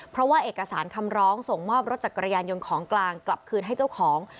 เพราะว่าเอกสารคำร้องส่งมอบรถจักรยานยนต์ของกลางกลับคืนให้เจ้าของ